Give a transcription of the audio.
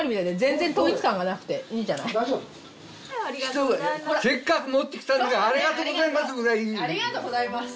ありがとうございます。